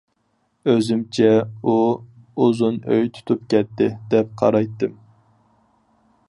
ئۆزۈمچە «ئۇ ئۇزۇن ئۆي تۇتۇپ كەتتى» دەپ قارايتتىم.